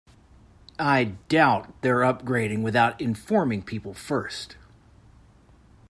I doubt they're upgrading without informing people first.